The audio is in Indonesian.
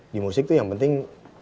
di musik tuh yang penting